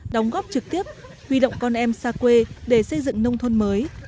đóng góp trực tiếp huy động con em xa quê để xây dựng nông thôn mới